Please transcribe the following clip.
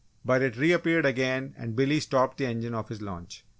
But it reappeared again and Billy stopped the engine of his launch.